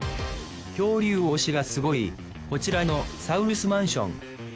恐竜推しがすごいこちらのサウルスマンション。